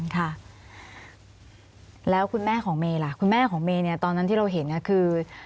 ค่ะแล้วคุณแม่ของเมย์ล่ะคุณแม่ของเมย์เนี่ยตอนนั้นที่เราเห็นคือ